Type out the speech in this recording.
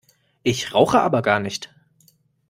Ich rauche aber gar nicht!